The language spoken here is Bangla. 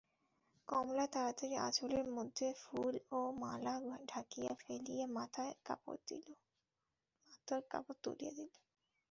কমলা তাড়াতাড়ি আঁচলের মধ্যে ফুল ও মালা ঢাকিয়া ফেলিয়া মাথায় কাপড় তুলিয়া দিল।